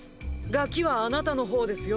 ガキはあなたの方ですよ。